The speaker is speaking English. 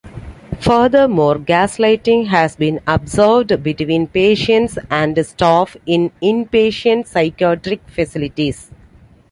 Furthermore, gaslighting has been observed between patients and staff in inpatient psychiatric facilities.